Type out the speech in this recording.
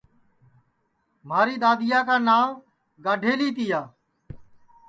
مھاری دؔادؔیا کا نانٚو گاڈؔیلی تِیا